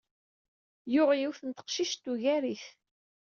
Yuɣ yiwet n teqcict tugar-it.